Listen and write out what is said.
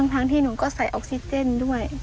ทั้งที่หนูก็ใส่ออกซิเจนด้วย